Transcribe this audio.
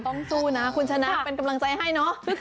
สู้นะคุณชนะเป็นกำลังใจให้เนอะ